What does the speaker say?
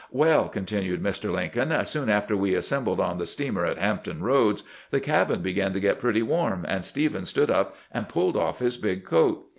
"Well," continued Mr. Lincoln, "soon after we assembled on the steamer at Hampton Roads, the cabin began to get pretty warm, and Stephens stood up and pulled off his big coat.